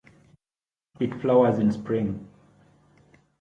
It flowers in spring.